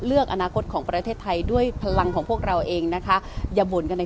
อนาคตของประเทศไทยด้วยพลังของพวกเราเองนะคะอย่าบ่นกันใน